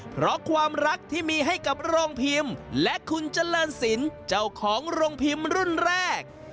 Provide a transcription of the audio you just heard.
เพราะความรักที่มีให้กับโรงพิมพ์และคุณเจริญศิลป์เจ้าของโรงพิมพ์รุ่นแรก